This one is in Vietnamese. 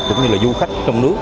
cũng như là du khách trong nước